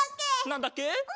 なんだっけ？